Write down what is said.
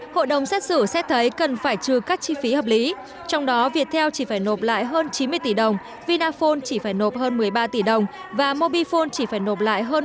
hội đồng xét xử xét thấy cần phải trừ các chi phí hợp lý trong đó viettel chỉ phải nộp lại hơn chín mươi tỷ đồng vinaphone chỉ phải nộp hơn một mươi ba tỷ đồng và mobifone chỉ phải nộp lại hơn một mươi năm tỷ đồng